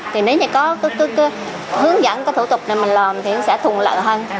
thì nếu như có hướng dẫn cái thủ tục này mình làm thì nó sẽ thuận lợi hơn